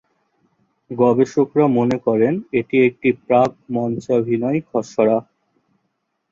গবেষকরা মনে করেন এটি একটি প্রাক-মঞ্চাভিনয় খসড়া।